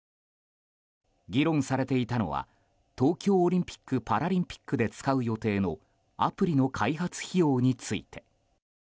議論されていたのは東京オリンピック・パラリンピックで使う予定のアプリの開発費用について。